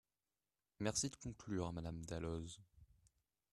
Merci de conclure, Madame Dalloz.